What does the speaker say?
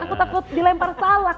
aku takut dilempar salak